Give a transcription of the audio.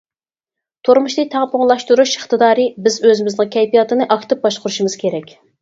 تۇرمۇشنى تەڭپۇڭلاشتۇرۇش ئىقتىدارى بىز ئۆزىمىزنىڭ كەيپىياتىنى ئاكتىپ باشقۇرۇشىمىز كېرەك.